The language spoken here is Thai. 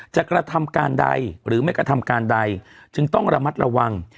กระทำการใดหรือไม่กระทำการใดจึงต้องระมัดระวัง